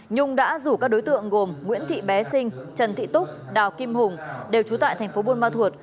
nhung đã rủ các đối tượng gồm nguyễn thị bé sinh trần thị túc đào kim hùng đều trú tại thành phố buôn ma thuột